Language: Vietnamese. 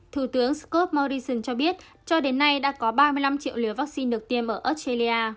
thủ tướng scott morrison cho biết cho đến nay đã có ba mươi năm triệu liều vaccine được tiêm ở australia